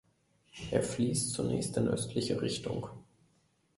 Er fließt zunächst in östliche Richtung.